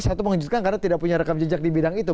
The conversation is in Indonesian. satu mengejutkan karena tidak punya rekam jejak di bidang itu